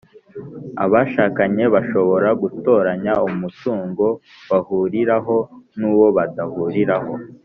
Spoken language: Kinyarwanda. abashakanye bashobora gutoranya umutungo bahuriraho n’uwo badahuriraho.